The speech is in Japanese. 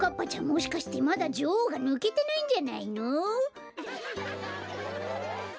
もしかしてまだじょおうがぬけてないんじゃないの？